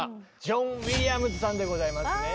ジョン・ウィリアムズさんでございますね。